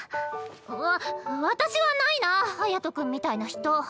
わ私はないな隼君みたいな人。